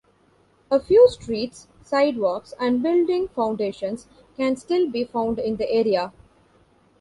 A few streets, sidewalks and building foundations can still be found in the area.